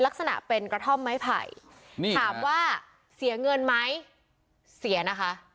ลักษณะเป็นกระท่อมไม้ไผ่ถามว่าเสียเงินไหมเสียนะคะ